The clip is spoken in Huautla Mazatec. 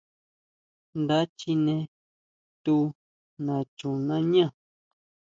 Nda chine tu nachunañá.